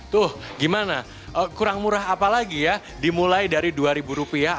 tuh gimana kurang murah apa lagi ya dimulai dari rp dua ya ayu